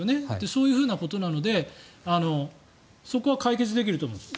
そういうふうなことなのでそこは解決できると思います。